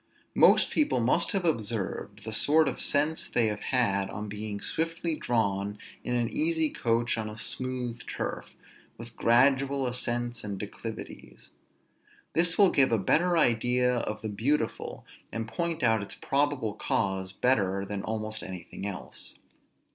Most people must have observed the sort of sense they have had on being swiftly drawn in an easy coach on a smooth turf, with gradual ascents and declivities. This will give a better idea of the beautiful, and point out its probable cause better, than almost anything else.